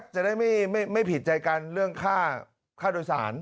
จะได้ไม่ผิดใจกันเรื่องค่าโดยสาร